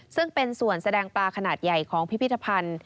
ซึ่งเป็นส่วนแสดงปลาขนาดใหญ่ของพิพิธภัณฑ์